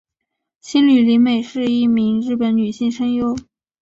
兴梠里美是一名日本女性声优。